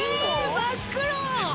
真っ黒！